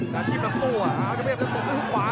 แล้วจิ้มหลังตัวเอ้าพยายามจะตกด้วยหุ้กขวา